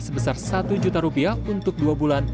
sebesar satu juta rupiah untuk dua bulan